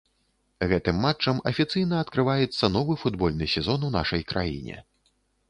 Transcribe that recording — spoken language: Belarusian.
Гэтым матчам афіцыйна адкрываецца новы футбольны сезон у нашай краіне.